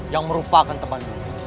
yang merupakan temanmu